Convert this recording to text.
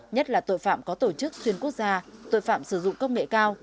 nhất là tội phạm có tổ chức xuyên quốc gia tội phạm sử dụng công nghệ cao